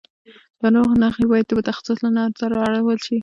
د ناروغ نښې باید د متخصص له نظره ارزول شي.